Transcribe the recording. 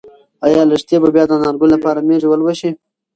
ایا لښتې به بیا د انارګل لپاره مېږې ولوشي؟